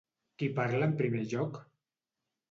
Qui parla en primer lloc?